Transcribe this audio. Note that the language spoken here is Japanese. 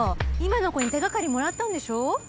今の子に手がかりもらったんでしょ？